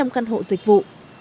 hai trăm linh căn hộ dịch vụ